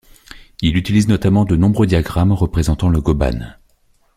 Il utilise notamment de nombreux diagrammes représentant le goban.